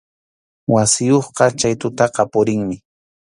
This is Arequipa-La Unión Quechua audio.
Wasiyuqqa chay tutaqa purinmi.